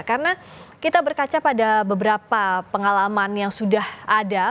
karena kita berkaca pada beberapa pengalaman yang sudah ada